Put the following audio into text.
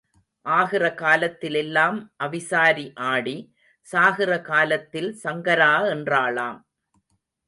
ஆகிற காலத்திலெல்லாம் அவிசாரி ஆடி, சாகிற காலத்தில் சங்கரா என்றாளாம்.